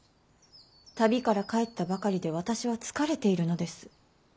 旅から帰ったばかりで私は疲れているのです。